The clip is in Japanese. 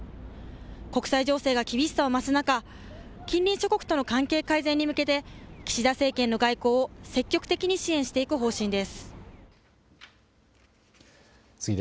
国際情勢が厳しさを増す中近隣諸国との関係改善に向けて岸田政権の外交を積極的に支援していく方針です。